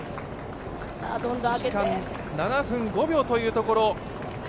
１時間７分５秒というところ。